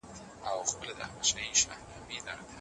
د هغه ټولنيز نظرونه په نړۍ کي لوړ ځای لري.